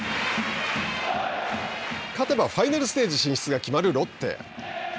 勝てばファイナルステージ進出が決まるロッテ。